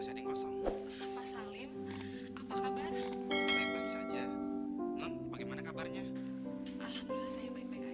jadi si iqbal dan husin akan tinggal di rumah mereka